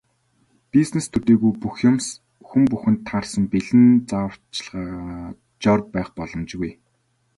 Бизнес төдийгүй бүх юмс, хүн бүхэнд таарсан бэлэн зааварчилгаа, жор байх боломжгүй.